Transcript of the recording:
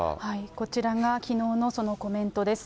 こちらがきのうのそのコメントです。